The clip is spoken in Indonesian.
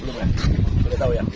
saya tahu ya